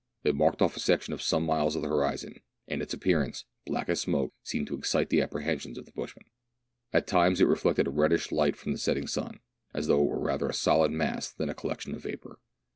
It marked off a section of some miles on the horizon, and its appearance, black ^s smoke, seemed to excite the apprehensions of the bushman. At times it reflected a reddish light from the setting sun, as though it were rather a solid mass than any collection of vapour.